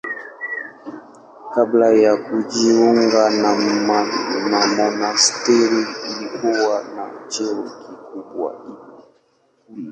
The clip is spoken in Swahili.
Kabla ya kujiunga na monasteri alikuwa na cheo kikubwa ikulu.